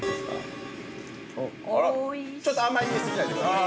◆ちょっとあんまり言い過ぎないでください。